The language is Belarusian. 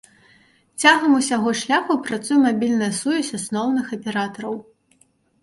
Цягам усяго шляху працуе мабільная сувязь асноўных аператараў.